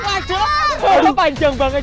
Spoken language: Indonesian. saya terpusing ibu ibu laporan warga